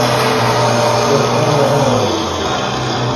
کرٹہ مرں اُݩگتا